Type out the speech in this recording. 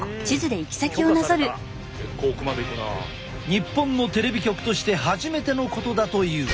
日本のテレビ局として初めてのことだという。